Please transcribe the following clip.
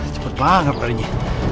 cepet banget tadinya